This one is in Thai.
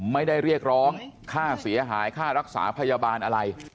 ไม่ได้เรียกร้องค่าเสียหายค่ารักษาพยาบาลอะไร